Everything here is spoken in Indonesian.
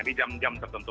di jam jam tertentu